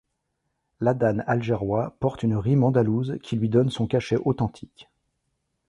L'Adhan algérois porte une rime andalouse qui lui donne son cachet authentique.